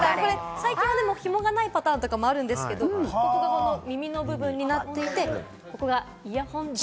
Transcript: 最近は紐がないパターンとかもあるんですけれども、耳の部分になっていて、ここがイヤホンジャックです。